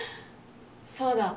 そうだ。